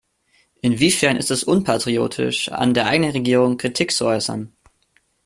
Inwiefern ist es unpatriotisch, an der eigenen Regierung Kritik zu äußern?